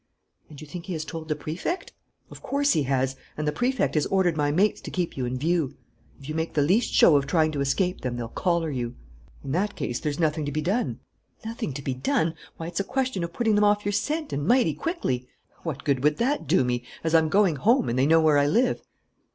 "And you think he has told the Prefect?" "Of course he has; and the Prefect has ordered my mates to keep you in view. If you make the least show of trying to escape them, they'll collar you." "In that case, there's nothing to be done?" "Nothing to be done? Why, it's a question of putting them off your scent and mighty quickly!" "What good would that do me, as I'm going home and they know where I live?"